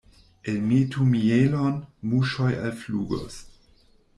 Elmetu mielon, muŝoj alflugos.